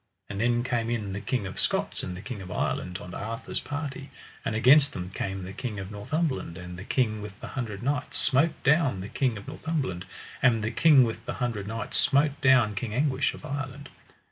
And then came in the King of Scots and the King of Ireland on Arthur's party, and against them came the King of Northumberland, and the King with the Hundred Knights smote down the King of Northumberland, and the King with the Hundred Knights smote down King Anguish of Ireland.